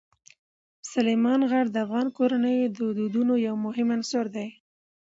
سلیمان غر د افغان کورنیو د دودونو یو مهم عنصر دی.